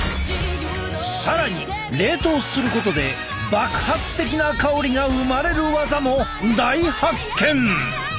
更に冷凍することで爆発的な香りが生まれるワザも大発見！